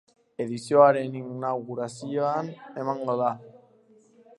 Edizioaren inaugurazioan emango da.